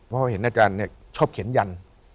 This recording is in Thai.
เพราะเห็นอาจารย์ชอบเขียนยัน